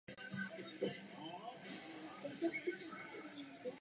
Sloužila nepřetržitě až do druhé světové války.